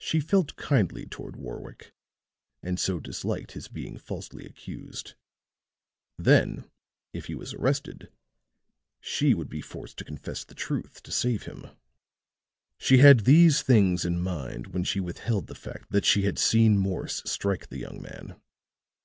She felt kindly toward Warwick, and so disliked his being falsely accused. Then, if he was arrested, she would be forced to confess the truth to save him. She had these things in mind when she withheld the fact that she had seen Morse strike the young man.